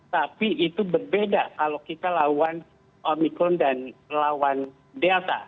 tapi itu berbeda kalau kita lawan omikron dan lawan delta